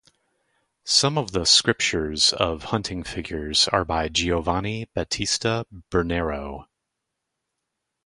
Some of the sculptures of hunting figures are by Giovanni Battista Bernero.